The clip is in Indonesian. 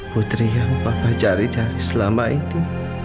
putri yang papa cari cari selama ini